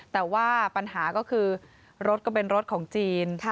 แต่ว่าปัญหาก็คือรถก็เป็นรถของจีน